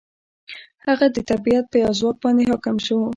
هغه د طبیعت په یو ځواک باندې حاکم شو.